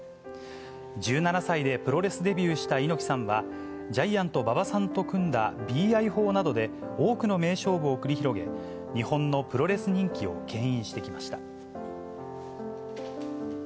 １７歳でプロレスデビューした猪木さんは、ジャイアント馬場さんと組んだＢＩ砲などで、多くの名勝負を繰り広げ、日本のプロレス人気をけん引してきました。